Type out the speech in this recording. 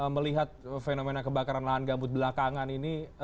melihat fenomena kebakaran lahan gambut belakangan ini